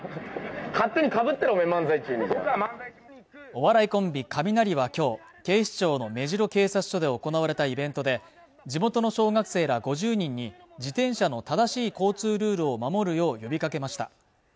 お笑いコンビカミナリはきょう警視庁の目白警察署で行われたイベントで地元の小学生ら５０人に自転車の正しい交通ルールを守るよう呼びかけました